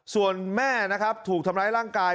ส่วนแม่นะครับถูกทำร้ายร่างกาย